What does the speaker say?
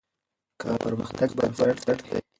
کار د پرمختګ بنسټ دی.